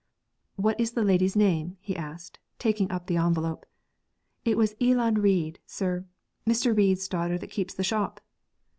'What is the lady's name?' he asked, taking up the envelope. 'It was Eelan Reid, sir; Mr. Reid's daughter that keeps the shop.'